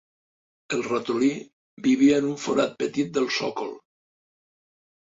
El ratolí vivia en un forat petit del sòcol